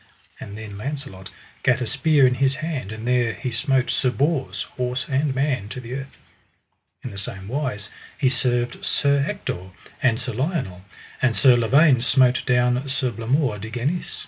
And then Launcelot gat a spear in his hand, and there he smote Sir Bors, horse and man, to the earth. In the same wise he served Sir Ector and Sir Lionel; and Sir Lavaine smote down Sir Blamore de Ganis.